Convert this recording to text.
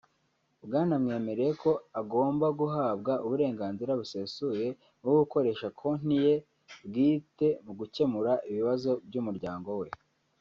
Bwanamwemereye ko agomba guhabwa uburenganzira busesuye bwo gukoresha konti ye bwite mu gukemura ibibazo by’umuryango we